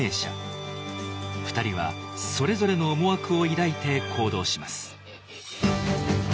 ２人はそれぞれの思惑を抱いて行動します。